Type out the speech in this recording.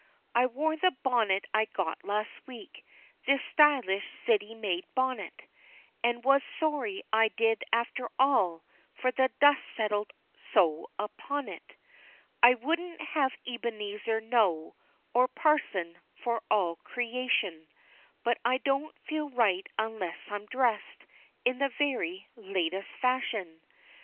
I wore the bonnet I got last week, This stylish city made bonnet, And was sorry I did after all, For the dust settled so upon it. I wouldn't have Ebenezer know, Or Parson, for all creation, But I don't feel right unless I'm dressed In the very latest fashion.